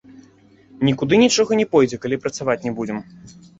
Нікуды нічога не пойдзе, калі працаваць не будзем.